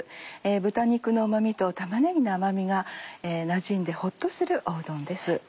豚肉のうま味と玉ねぎの甘みがなじんでホッとするうどんです。